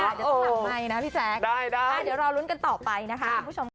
ตลอดเลยจะต้องถามใหม่นะพี่แซ็คได้เดี๋ยวรอรุ้นกันต่อไปนะคะ